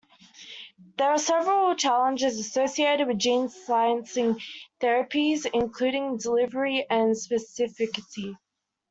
There are several challenges associated with gene silencing therapies, including delivery and specificity.